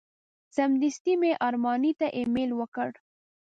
سمدستي مې ارماني ته ایمیل ورکړ.